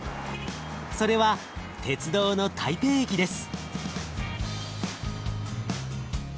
それは鉄道の台北駅です。